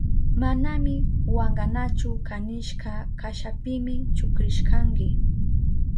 Manami wankanachu kanishka kashapimi chukrishkanki.